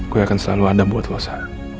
gue akan selalu ada buat lo sa